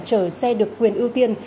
câu chuyện tạm biệt